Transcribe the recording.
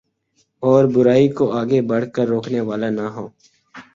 اور برائی کوآگے بڑھ کر روکنے والا نہ ہو